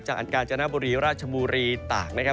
จากอันการณ์จันทบุรีราชบุรีตาก